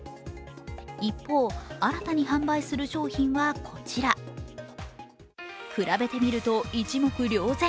一方、新たに販売する商品はこちら比べてみると一目瞭然。